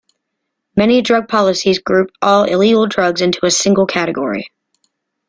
Many drug policies group all illegal drugs into a single category.